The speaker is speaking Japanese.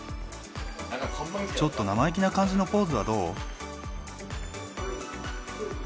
ちょっと生意気な感じのポーズはどう？